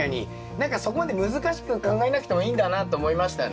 何かそこまで難しく考えなくてもいいんだなと思いましたね。